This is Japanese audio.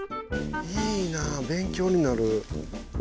いいなぁ勉強になる。